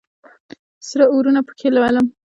سره اورونه پکښې لولم